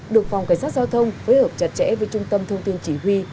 được phòng cảnh sát giao thông phối hợp chặt chẽ với trung tâm thông tin chỉ huy